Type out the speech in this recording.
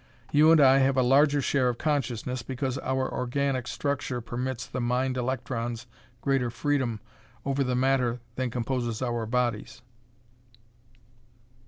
You and I have a larger share of consciousness, because our organic structure permits the mind electrons greater freedom over the matter than composes our bodies.